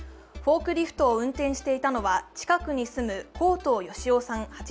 フォークリフトを運転していたのは近くに住む向當義雄さん